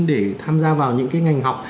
để tham gia vào những cái ngành học